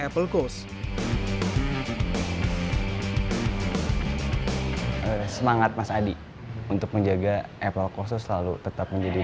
berada dibilir di big luther kings ni